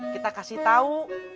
kita kasih tahu